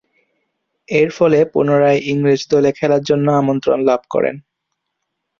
এরফলে পুনরায় ইংরেজ দলে খেলার জন্য আমন্ত্রণ লাভ করেন।